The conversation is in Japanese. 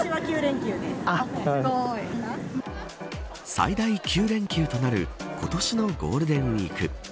最大９連休となる今年のゴールデンウイーク。